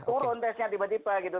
turun tesnya tiba tiba gitu